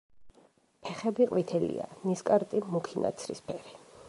ფეხები ყვითელია, ნისკარტი მუქი ნაცრისფერი.